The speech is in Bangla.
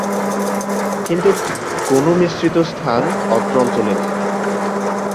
কিন্তু কোন মিশ্রিত স্থান অত্র অঞ্চলে নেই।